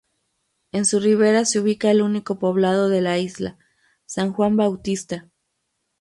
En su ribera se ubica el único poblado de la isla, San Juan Bautista.